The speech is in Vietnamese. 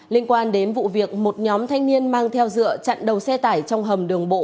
liên quan đến vụ việc một nhóm thanh niên mang theo dựa chặn đầu xe tải trong hầm đường bộ